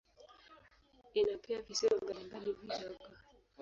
Ina pia visiwa mbalimbali vidogo.